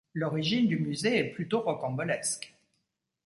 L'origine du musée est plutôt rocambolesque.